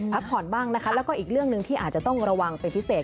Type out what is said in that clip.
พักผ่อนบ้างนะคะแล้วก็อีกเรื่องหนึ่งที่อาจจะต้องระวังเป็นพิเศษ